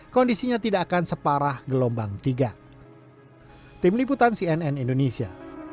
kondisinya tidak akan separah gelombang tiga